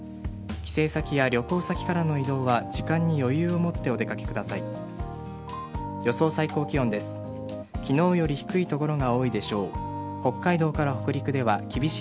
帰省先や旅行先からの移動は時間に余裕をもってお出掛けください。